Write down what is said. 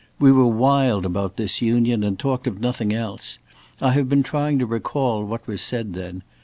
We were wild about disunion and talked of nothing else. I have been trying to recall what was said then.